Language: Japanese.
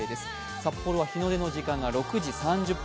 札幌は日の出の時間が６時３０分